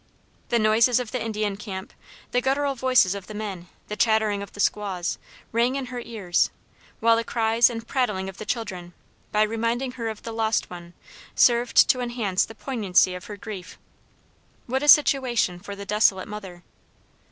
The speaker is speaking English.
The noises of the Indian camp, the guttural voices of the men, the chattering of the squaws, rang in her ears, while the cries and prattling of the children, by reminding her of the lost one, served to enhance the poignancy of her grief. What a situation for the desolate mother!